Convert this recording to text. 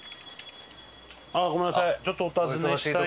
ごめんなさい。